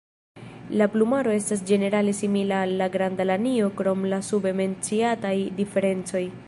La plumaro estas ĝenerale simila al la Granda lanio krom la sube menciataj diferencoj.